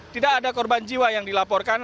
tidak ada korban jiwa yang dilaporkan